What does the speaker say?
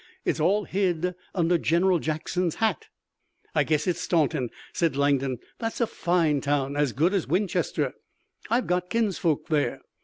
It's all hid under General Jackson's hat." "I guess it's Staunton," said Langdon. "That's a fine town, as good as Winchester. I've got kinsfolk there.